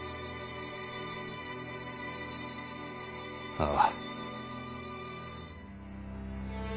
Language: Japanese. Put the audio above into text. ああ。